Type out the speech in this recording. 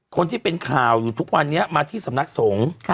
คนที่เป็นข่าวอยู่ทุกวันนี้มาที่สำนักสงฆ์